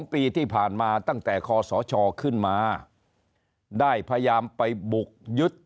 ปีที่ผ่านมาตั้งแต่คศขึ้นมาได้พยายามไปบุกยึด